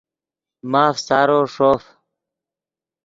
ماف سارو ݰوف